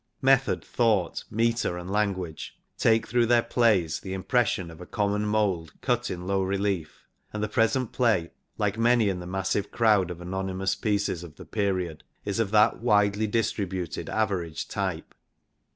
Method, thought, metre and language take through their plays the impression of a common mould cut in low relief, and the present play, like many in the massive crowd of anonymous pieces of the period, is of that widely distri buted average type.